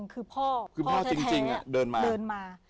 คือพ่อพ่อแท้เดินมา